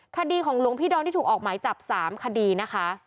คดีของหลวงพี่ดอนที่ถูกออกหมายจับ๓คดีนะคะ